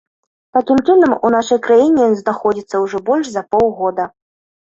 Такім чынам, у нашай краіне ён знаходзіцца ўжо больш за паўгода.